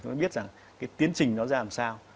chúng ta biết rằng cái tiến trình nó ra làm sao